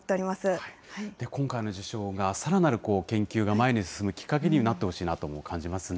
今回の受賞が、さらなる研究が前に進むきっかけにもなってほしいなと感じますね。